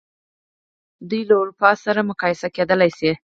دوی له اروپا سره مقایسه کېدلای شي.